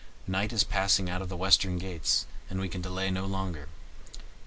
Night is passing out of the western gates and we can delay no longer.